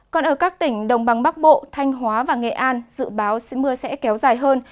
còn ở các tỉnh đồng bằng bắc bộ thanh hóa và nghệ an dự báo mưa sẽ kéo dài hơn